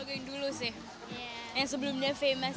ehm yang sebelumnya famous